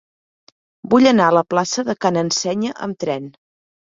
Vull anar a la plaça de Ca n'Ensenya amb tren.